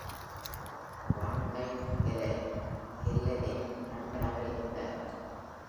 வான் Dyke Helen கெல்லெரின் நண்பராக இருந்தார்.